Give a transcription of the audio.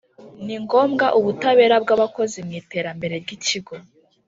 Ni ngombwa ubutabera bw’abakozi mu iterambere ry’Ikigo